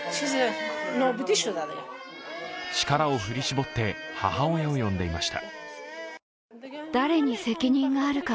力を振り絞って母親を呼んでいました。